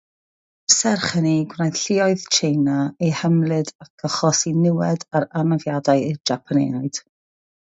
Serch hynny, gwnaeth lluoedd Tsieina eu hymlid ac achosi niwed ac anafiadau i'r Japaneaid.